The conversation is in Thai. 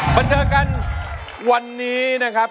บันเทอร์กันวันนี้นะครับ